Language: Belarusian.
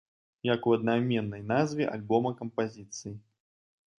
Як у аднайменнай назве альбома кампазіцыі.